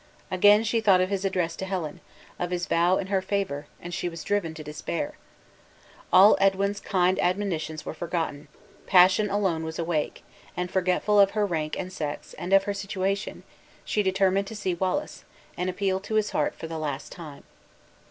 Again she thought of his address to Helen, of his vow in her favor, and she was driven to despair. All Edwin's kind admonitions were forgotten; passion alone was awake; and forgetful of her rank and sex, and of her situation, she determined to see Wallace, and appeal to his heart for the last time.